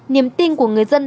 niềm tin của người dân